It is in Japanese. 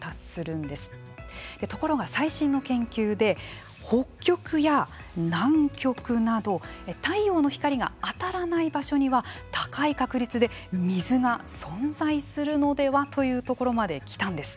ところが最新の研究で北極や南極など太陽の光が当たらない場所には高い確率で水が存在するのではというところまで来たんです。